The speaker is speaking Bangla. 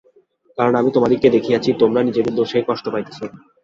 কারণ আমি তোমাদিগকে দেখাইয়াছি, তোমরা নিজেদের দোষেই কষ্ট পাইতেছ।